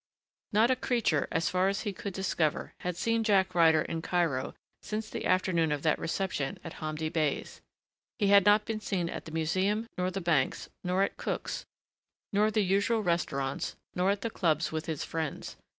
Not a creature, as far as he could discover, had seen Jack Ryder in Cairo since the afternoon of that reception at Hamdi Bey's. He had not been seen at the Museum nor the banks, nor at Cook's, nor the usual restaurants, nor at the clubs with his friends.